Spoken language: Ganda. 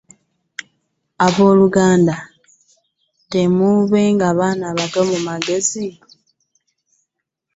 Abooluganda, temubanga baana bato mu magezi.